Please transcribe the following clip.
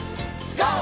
ＧＯ！